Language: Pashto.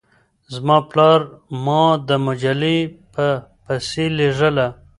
زما پلار ما د مجلې په پسې لېږله.